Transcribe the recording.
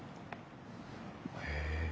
へえ。